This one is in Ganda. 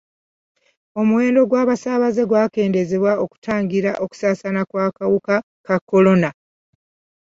Omuwendo gw'abasaabaze gwakendeezeddwa okutangira okusaasaana kw'akawuka ka kolona.